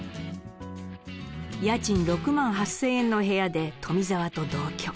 家賃６万８，０００円の部屋で富澤と同居。